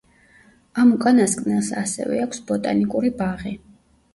ამ უკანასკნელს ასევე აქვს ბოტანიკური ბაღი.